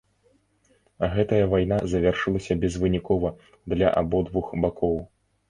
Гэтая вайна завяршылася безвынікова для абодвух бакоў.